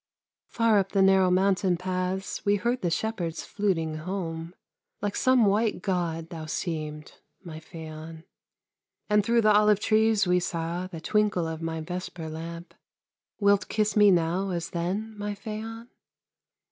Far up the narrow mountain paths We heard the shepherds fluting home; Like some white God thou seemed, my Phaon! And through the olive trees we saw The twinkle of my vesper lamp; Wilt kiss me now as then, my Phaon?